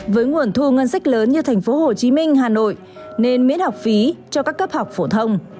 với nguồn thu ngân sách lớn như tp hcm hà nội nên miễn học phí cho các cấp học phổ thông